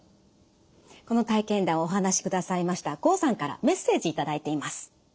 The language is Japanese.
この体験談をお話しくださいました郷さんからメッセージ頂いています。